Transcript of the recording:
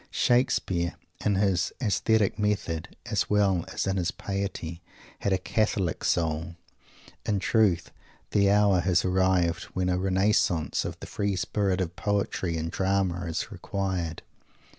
Shakespeare, in his aesthetic method, as well as in his piety, had a Catholic soul. In truth, the hour has arrived when a "Renaissance" of the free spirit of Poetry in Drama is required.